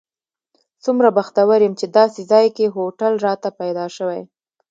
څومره بختور یم چې داسې ځای کې هوټل راته پیدا شوی.